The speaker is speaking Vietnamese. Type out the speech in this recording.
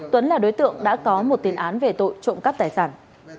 tuấn là đối tượng đã có một tiến án về tội trộm cắt tài sản